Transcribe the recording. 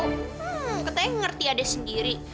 hmm katanya ngerti ada sendiri